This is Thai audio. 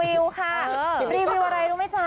รีวิวอะไรรู้ไหมจ๊ะ